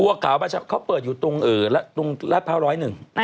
บัวขาวบัญชาเมฆเขาเปิดอยู่ตรงรัฐภาวร้อย๑